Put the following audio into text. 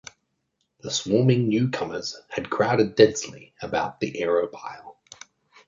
The swarming new-comers had crowded densely about the aeropile.